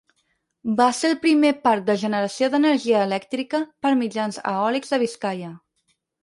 Va ser el primer parc de generació d'energia elèctrica per mitjans eòlics de Biscaia.